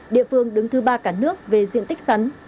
địa phương đứng thứ ba cả nước về diện tích sắn